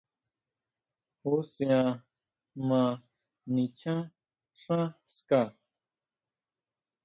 ¿Jusian ma nichán xán ska?